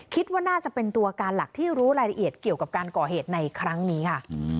คิดว่าน่าจะเป็นตัวการหลักที่รู้รายละเอียดเกี่ยวกับการก่อเหตุในครั้งนี้ค่ะ